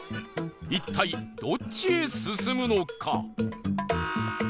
一体どっちへ進むのか？